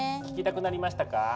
聞きたくなりましたか？